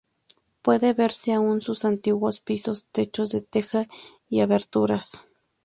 Pueden verse aún sus antiguos pisos, techos de teja y aberturas.